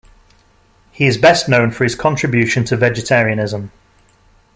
He is best known for his contribution to vegetarianism.